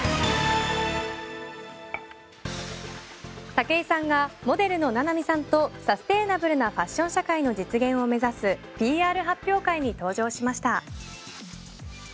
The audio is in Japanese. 武井さんがモデルのＮＡＮＡＭＩさんとサステナブルなファッション社会の実現を目指すＰＲ発表会に登場しました。